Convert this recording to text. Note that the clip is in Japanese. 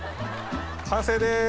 完成です。